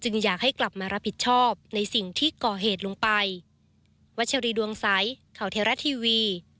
ในสิ่งที่ก่อเหตุลงไป